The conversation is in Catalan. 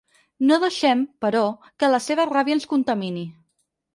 No deixem, però, que la seva ràbia ens contamini.